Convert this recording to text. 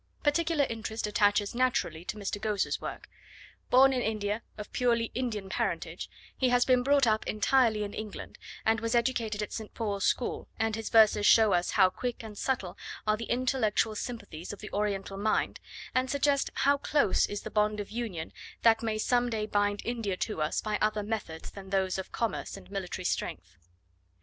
Particular interest attaches naturally to Mr. Ghose's work. Born in India, of purely Indian parentage, he has been brought up entirely in England, and was educated at St. Paul's School, and his verses show us how quick and subtle are the intellectual sympathies of the Oriental mind, and suggest how close is the bond of union that may some day bind India to us by other methods than those of commerce and military strength.